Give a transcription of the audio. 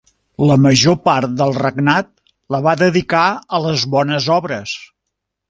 La major part del regnat la va dedicar a les bones obres.